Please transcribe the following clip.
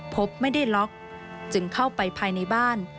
พบไม่ได้ล็อกจึงเข้าไปภายในบ้าน